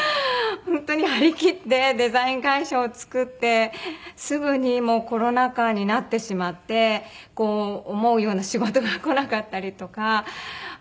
本当に張り切ってデザイン会社を作ってすぐにコロナ禍になってしまってこう思うような仕事が来なかったりとか。